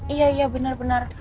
iya iya benar benar